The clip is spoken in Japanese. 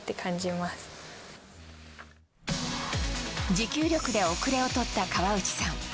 持久力で後れを取った河内さん。